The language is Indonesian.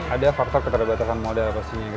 ada faktor keterbatasan modal pastinya